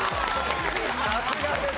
さすがです。